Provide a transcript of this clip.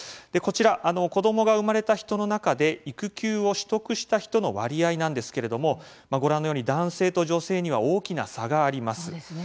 こちら、子どもが生まれた人の中で育休を取得した人の割合なんですけれどもご覧のように、男性と女性には大きな差があります。